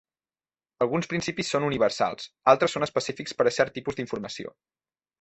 Alguns principis són universals, altres són específics per a certs tipus d'informació.